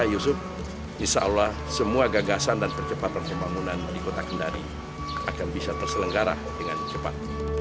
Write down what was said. pak yusuf insya allah semua gagasan dan percepatan pembangunan di kota kendari akan bisa terselenggara dengan cepat